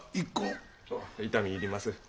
痛み入ります。